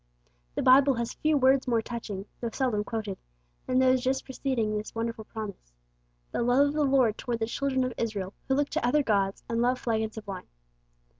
The Bible has few words more touching, though seldom quoted, than those just preceding this wonderful promise: 'The love of the Lord toward the children of Israel, who look to other gods, and love flagons of wine.'